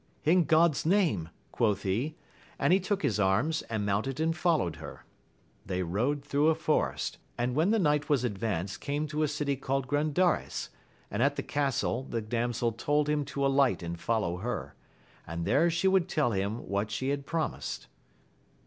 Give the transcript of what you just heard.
In God's name, quoth he, and he took his arms, and mounted and fol lowed her. They rode through a forest, and when the night was advanced came to a city called Grandares, and at the castle the damsel told him to aUght and follow her, and there she would tell him what she had promised.